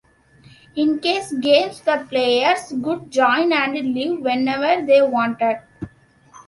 In cash games the players could join and leave whenever they wanted.